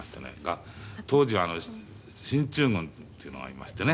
当時は進駐軍っていうのがいましてね